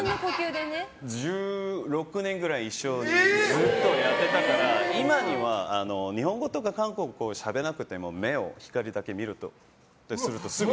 １６年くらい一緒にやってたから今では日本語とか韓国語をしゃべらなくても目を２人だけ見ると、すぐ。